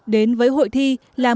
đến với hội trung khảo